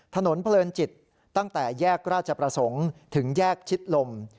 ถนนเพลินจิตตั้งแต่แยกราชประสงค์ถึงแยกชิดลม